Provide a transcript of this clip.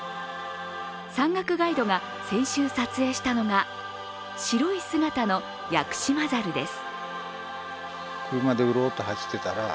山岳ガイドが先週撮影したのが白い姿のヤクシマザルです。